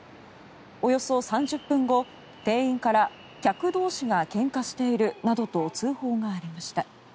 およそ３０分後、店員から客同士がけんかしているなどと通報がありました。